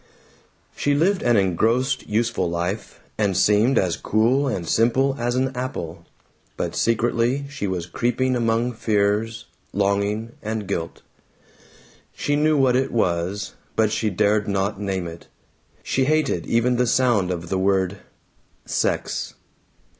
She lived an engrossed useful life, and seemed as cool and simple as an apple. But secretly she was creeping among fears, longing, and guilt. She knew what it was, but she dared not name it. She hated even the sound of the word "sex."